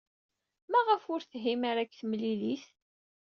Maɣef ur thim ara deg temlilit?